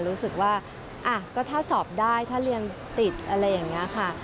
รู้สึกว่าก็ถ้าสอบได้ถ้าเรียนติดอะไรอย่างนี้ค่ะ